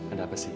ada apa sih